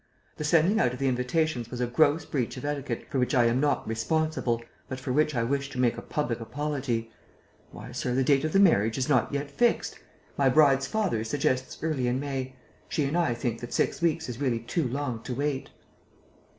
The sending out of the invitations was a gross breach of etiquette for which I am not responsible, but for which I wish to make a public apology. Why, sir, the date of the marriage is not yet fixed. My bride's father suggests early in May. She and I think that six weeks is really too long to wait!..."